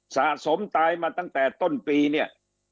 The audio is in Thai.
สะสมตายมาตั้งแต่ต้นปีเนี่ย